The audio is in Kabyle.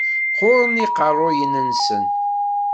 Qquren yiqerruyen-nsen.